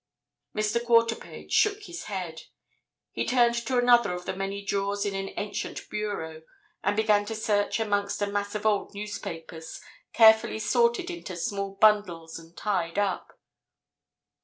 Mr. Quarterpage shook his head. He turned to another of the many drawers in an ancient bureau, and began to search amongst a mass of old newspapers, carefully sorted into small bundles and tied up.